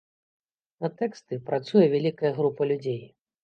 На тэксты працуе вялікая група людзей.